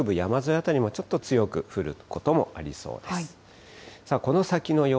辺りもちょっと強く降ることもありそうです。